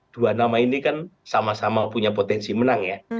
dua nama ini kan sama sama punya potensi menang ya